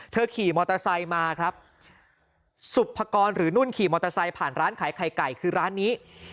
ขี่มอเตอร์ไซค์มาครับสุภกรหรือนุ่นขี่มอเตอร์ไซค์ผ่านร้านขายไข่ไก่คือร้านนี้